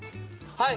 はい！